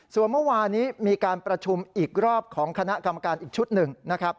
ส่วนเมื่อวานี้มีการประชุมอีกรอบของคณะกรรมการอีกชุดหนึ่งนะครับ